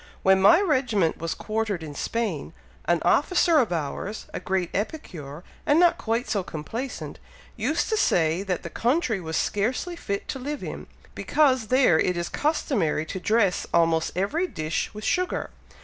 "When my regiment was quartered in Spain, an officer of ours, a great epicure, and not quite so complaisant, used to say that the country was scarcely fit to live in, because there it is customary to dress almost every dish with sugar.